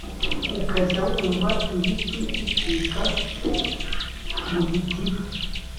ukajya wumva ibiti bicika mu gitiba,